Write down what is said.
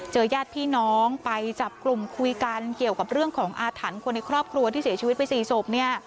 ญาติพี่น้องไปจับกลุ่มคุยกันเกี่ยวกับเรื่องของอาถรรพ์คนในครอบครัวที่เสียชีวิตไป๔ศพเนี่ย